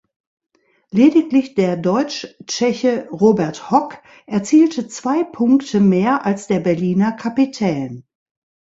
Lediglich der Deutsch-Tscheche Robert Hock erzielte zwei Punkte mehr als der Berliner Kapitän.